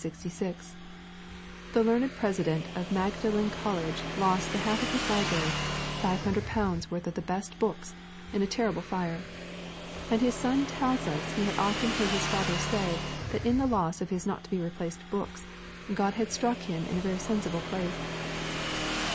The learned President of Magdalen College lost the half of his library, five hundred pounds worth of the best books, in that terrible fire. And his son tells us he had often heard his father say that in the loss of his not to be replaced books, God had struck him in a very sensible place.